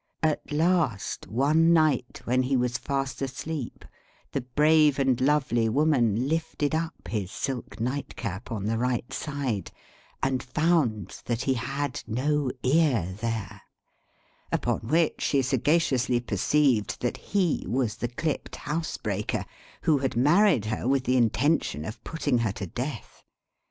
At last, one night, when he was fast asleep, the brave and lovely woman lifted up his silk nightcap on the right side, and found that he had no ear there; upon which she sagaciously perceived that he was the clipped housebreaker, who had married her with the intention of putting her to death.